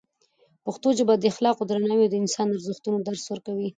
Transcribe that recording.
پښتو ژبه د اخلاقو، درناوي او انساني ارزښتونو درس ورکوي.